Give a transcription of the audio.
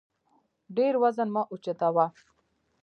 ډېر وزن مه اوچتوه